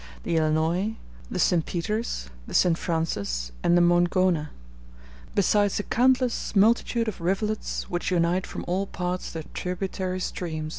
the Illinois, the St. Peter's, the St. Francis, and the Moingona; besides a countless multitude of rivulets which unite from all parts their tributary streams.